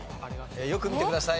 よく見てください。